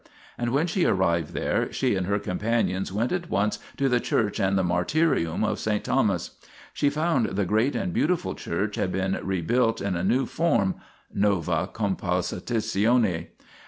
And when she arrived there, she and her companions went at once to the church and the martyrium of S. Thomas. She found the great and beautiful church had been rebuilt in a new form (nova compositione).